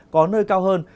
có nơi cao hơn